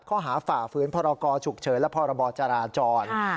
เขาหาฝ่าฝืนพกฉุกเฉินและพรจราจร